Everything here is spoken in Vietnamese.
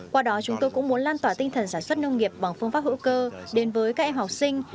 qua đó chúng tôi cũng muốn lan tỏa tinh thần sản xuất nông nghiệp bằng phương pháp hữu cơ đến với các em học sinh